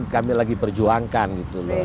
kami lagi perjuangkan gitu loh